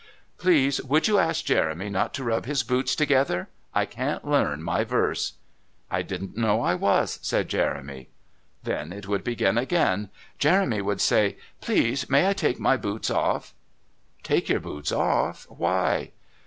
"Please, would you ask Jeremy not to rub his boots together? I can't learn my verse " "I didn't know I was," says Jeremy. Then it would begin again. Jeremy would say: "Please, may I take my boots off?" "Take your boots off? Why?"